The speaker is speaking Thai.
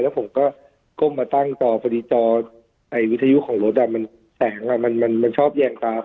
แล้วผมก็ก้มมาตั้งจอพอดีจอวิทยุของรถมันแสงมันชอบแยงความ